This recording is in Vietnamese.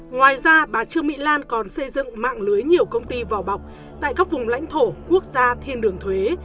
ngoài ra bà trương mỹ lan còn xây dựng mạng lưới nhiều công ty vỏ bọc tại các vùng lãnh thổ quốc gia thiên đường thuế